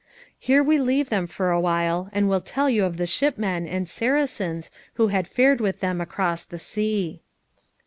There we leave them for awhile, and will tell you of the shipmen and Saracens who had fared with them across the sea.